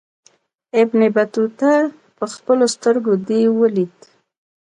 ابن بطوطه پخپلو سترګو دېو ولید.